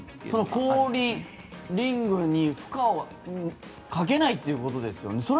その氷、リングに負荷をかけないということですよね。